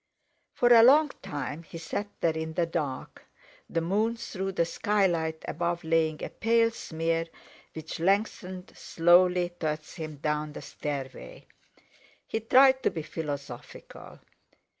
For a long time he sat there in the dark, the moon through the skylight above laying a pale smear which lengthened slowly towards him down the stairway. He tried to be philosophical.